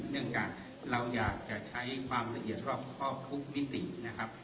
เนื่องจากเราอยากจะใช้ความละเอียดรอบครอบทุกมิตินะครับ